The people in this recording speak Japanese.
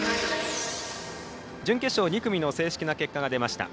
準決勝２組の正式な結果が出ました。